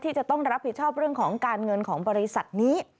จะต้องรับผิดชอบเรื่องของการเงินของบริษัทนี้